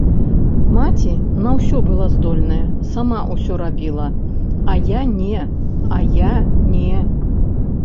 Маці на ўсё была здольная, сама ўсё рабіла, а я не, а я не.